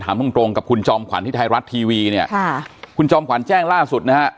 ถามตรงกับคุณจอมขวัญที่ไทยรัฐทีวีคุณจอมขวัญแจ้งล่าสุด